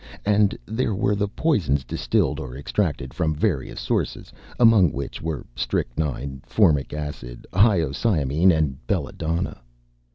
And there were the poisons distilled or extracted from various sources, among which were strychnine, formic acid, hyoscyamine, and belladonna.